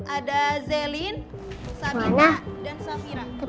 ada zerlina sabrina dan safira